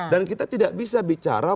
dan kita tidak bisa bicara